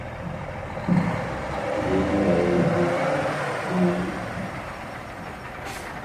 The gym is used for physical education classes, team practices, and intramural sports events.